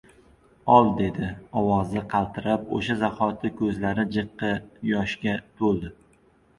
— Ol! — dedi ovozi qaltirab. O‘sha zahoti ko‘zlari jiqqa yoshga to‘ldi.